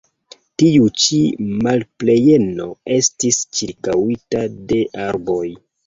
Tiu ĉi malplenejo estis ĉirkaŭita de arboj.